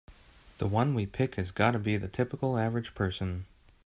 The one we pick has gotta be the typical average person.